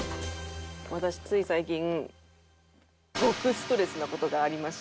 私つい最近極ストレスな事がありまして。